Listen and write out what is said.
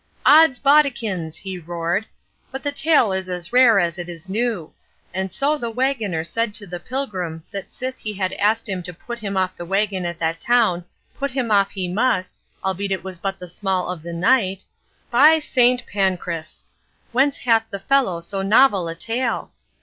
"Odds Bodikins!" he roared, "but the tale is as rare as it is new! and so the wagoner said to the Pilgrim that sith he had asked him to put him off the wagon at that town, put him off he must, albeit it was but the small of the night—by St. Pancras! whence hath the fellow so novel a tale?